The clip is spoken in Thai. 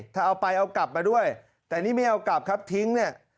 ถ้าเอาไปเอากลับมาด้วยแต่นี่ไม่เอากลับครับทิ้งเนี่ย